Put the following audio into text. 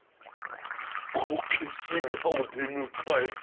こけしがお出迎え。